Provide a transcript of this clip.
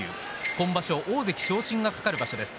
今場所大関昇進が懸かる場所です。